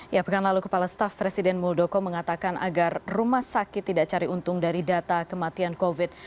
ya pekan lalu kepala staf presiden muldoko mengatakan agar rumah sakit tidak cari untung dari data kematian covid